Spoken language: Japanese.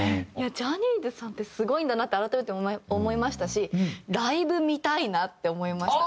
ジャニーズさんってすごいんだなって改めて思いましたしライブ見たいなって思いました。